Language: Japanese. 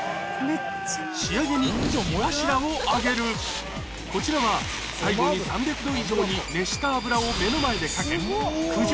仕上げにこちらは最後に３００℃以上に熱した油を目の前でかけ九条